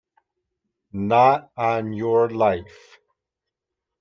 Not on your life!